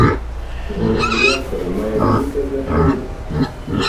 Голас дыяспары мае вялікае значэнне.